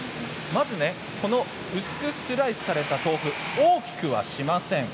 まず、薄くスライスされた豆腐大きくはしません。